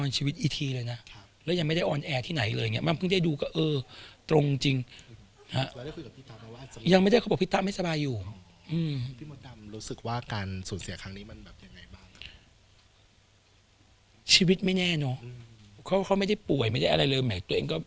ชีวิตไม่แน่นะเขาไม่ได้ป่วยไม่ได้อะไรเลย